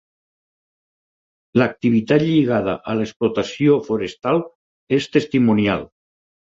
L’activitat lligada a l’explotació forestal és testimonial.